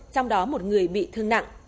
trong đó một người bị thương nặng